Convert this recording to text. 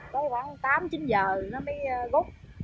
có khoảng tám chín giờ nó mới gút